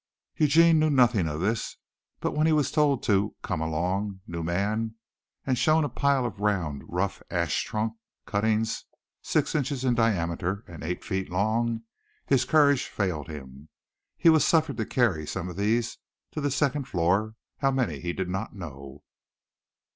Eugene knew nothing of this, but when he was told to "come along, new man" and shown a pile of round, rough ash trunk cutting six inches in diameter and eight feet long, his courage failed him. He was suffered to carry some of these to the second floor, how many he did not know.